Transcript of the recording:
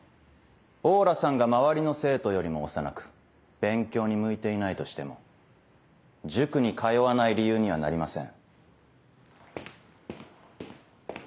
王羅さんが周りの生徒よりも幼く勉強に向いていないとしても塾に通わない理由にはなりません。